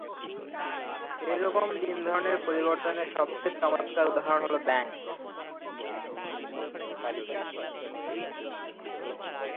এইরকম তিন ধরনের পরিবর্তনের সবচেয়ে চমৎকার উদাহরণ হল ব্যাঙ।